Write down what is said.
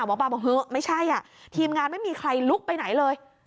หมอปลาบอกเฮอไม่ใช่อ่ะทีมงานไม่มีใครลุกไปไหนเลย